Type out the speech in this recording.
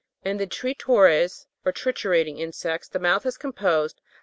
33. In the Tritores, or triturating insects, the mouth is composed, 1st, Fig.